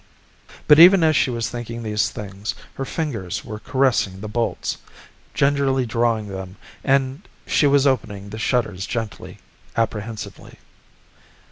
But even as she was thinking these things, her fingers were caressing the bolts, gingerly drawing them, and she was opening the shutters gently, apprehensively.